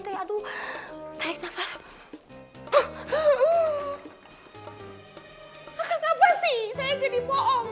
ah kang apa sih saya jadi bohong